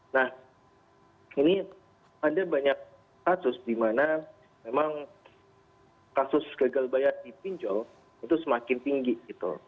nah ini ada banyak kasus di mana memang kasus gagal bayar di pinjol itu semakin tinggi gitu